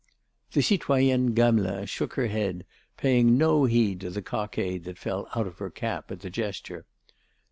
The citoyenne Gamelin shook her head, paying no heed to the cockade that fell out of her cap at the gesture.